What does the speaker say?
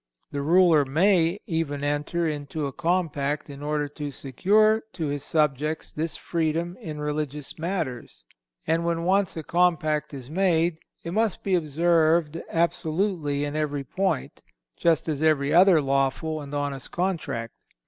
The ruler may even enter into a compact in order to secure to his subjects this freedom in religious matters; and when once a compact is made it must be observed absolutely in every point, just as every other lawful and honest contract.